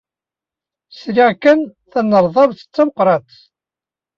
Sriɣ kan tanerdabt d tameqrant.